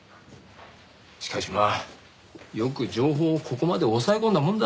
しかしまあよく情報をここまで押さえ込んだもんだ。